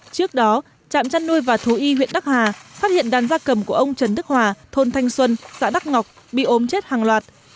trước đó trạm chăn nuôi và thú y huyện đắc hà phát hiện đàn gia cầm của ông trần đức hòa thôn thanh xuân xã đắc ngọc bị ốm chết hàng loạt